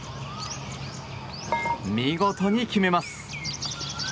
見事に決めます。